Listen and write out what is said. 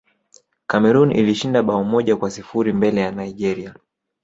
cameroon ilishinda bao moja kwa sifuri mbele ya nigeria